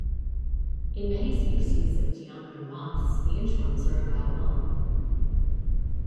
In many species of geometer moths, the inchworms are about long.